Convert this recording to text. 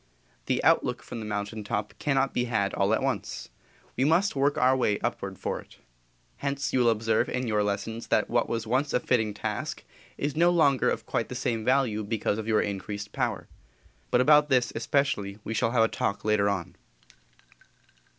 The outlook from the mountain top cannot be had all at once. We must work our way upward for it. Hence you will observe in your lessons that what was once a fitting task is no longer of quite the same value because of your increased power. But about this especially we shall have a Talk later on.